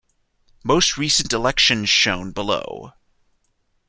Most recent election shown below.